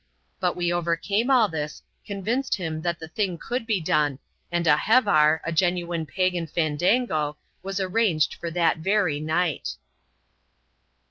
But we overcame all this, convinced him that the thing could be done, and a ^^ hevar," a genuine pagan fandango, was arranged for that very night.